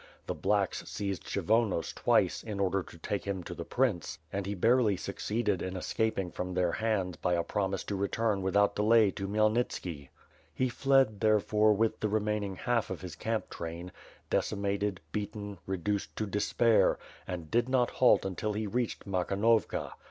The Slacks" seized Kshyvonos twice, in order to take him to the prince; and he barely succeeded in escaping from their hands by a promise to return without delay to Khmyelnitski. He fled, therefore, with the remain ing half of his camp train; decimated, beaten, reduced to despair, and did not halt until he reached Makhonovka.